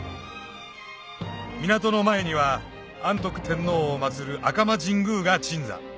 港の前には安徳天皇を祭る赤間神宮が鎮座